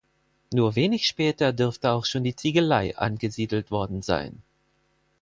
Nur wenig später dürfte auch schon die Ziegelei angesiedelt worden sein.